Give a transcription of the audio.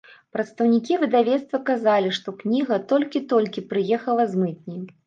Прадстаўнікі выдавецтва казалі, што кніга толькі-толькі прыехала з мытні.